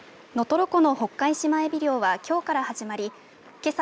能取湖のホッカイシマエビ漁はきょうから始まりけさ